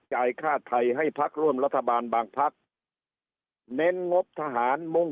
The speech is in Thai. จ่ายค่าไทยให้พักร่วมรัฐบาลบางพักเน้นงบทหารมุ่ง